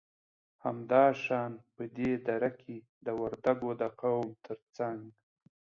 همدا شان په دې دره کې د وردگو د قوم تر څنگ